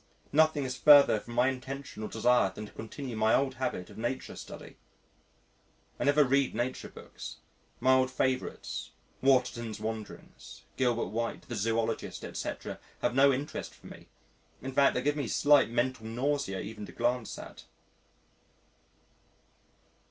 Nothing is further from my intention or desire to continue my old habit of nature study. I never read nature books my old favourites Waterton's Wanderings, Gilbert White, The Zoologist, etc. have no interest for me in fact they give me slight mental nausea even to glance at.